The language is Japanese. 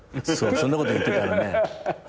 そんなこと言ってたらね「は？」